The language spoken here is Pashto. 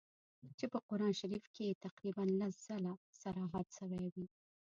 چي په قرآن شریف کي یې تقریباً لس ځله صراحت سوی وي.